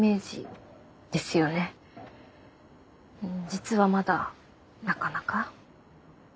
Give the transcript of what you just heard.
実はまだなかなか。